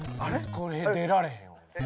これ出られへんよ。